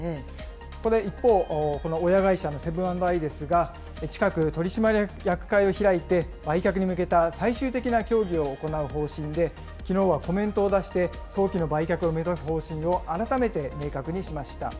そこで一方、この親会社のセブン＆アイですが、近く、取締役会を開いて、売却に向けた最終的な協議を行う方針で、きのうはコメントを出して、早期の売却を目指す方針を改めて明確にしました。